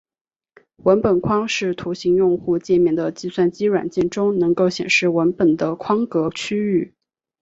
文本框是图形用户界面的计算机软件中能够显示文本的框格区域。